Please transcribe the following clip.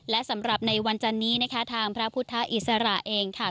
และสำหรับในวันจันนี้นะคะทางพระพุทธอิสระเองค่ะ